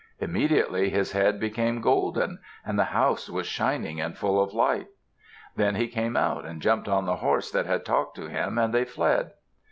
Immediately his head became golden and the house was shining and full of light. Then he came out and jumped on the horse that had talked to him and they fled.